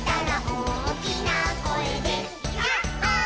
「おおきなこえでヤッホー」